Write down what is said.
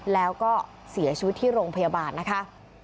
แล้วก็เสียชีวิตที่โรงพยาบาลนะคะ